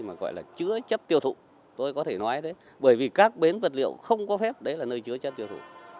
mà gọi là chứa chấp tiêu thụ tôi có thể nói đấy bởi vì các bến vật liệu không có phép đấy là nơi chứa chất tiêu thụ